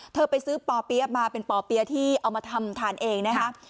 เธอไปซื้อปเปี้ยมาเป็นปเปี้ยที่เอามาทำทานเองนะครับ